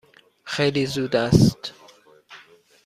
خیلی زود است.